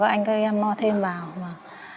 các anh các em lo thêm vào